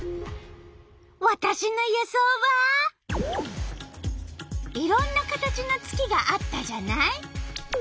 わたしの予想はいろんな形の月があったじゃない？